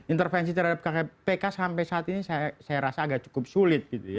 intervensi terhadap kpk sampai saat ini saya rasa agak cukup sulit